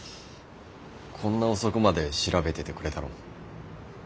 こんな遅くまで調べててくれたの？